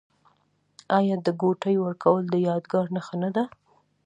آیا د ګوتې ورکول د یادګار نښه نه ده؟